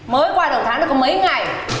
mới qua đồng tháng đã có mấy ngày